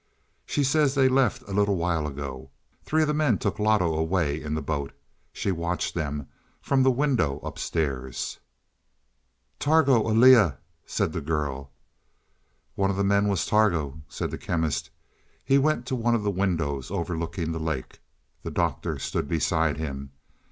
"She says they left a little while ago. Three of the men took Loto away in the boat. She watched them from the window upstairs." "Targo aliá," said the girl. "One of the men was Targo," said the Chemist. He went to one of the windows overlooking the lake; the Doctor stood beside him.